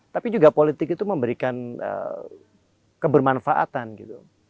tapi juga politik itu memberikan kebermanfaatan gitu